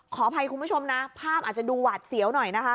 ขออภัยคุณผู้ชมนะภาพอาจจะดูหวาดเสียวหน่อยนะคะ